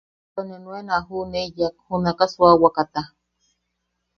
Into ne nuen a juʼuneyak junaka suawakata.